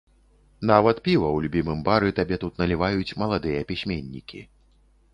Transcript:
Нават піва ў любімым бары табе тут наліваюць маладыя пісьменнікі.